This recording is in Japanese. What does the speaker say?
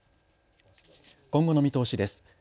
今後の見通しです。